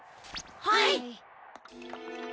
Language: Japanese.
はい。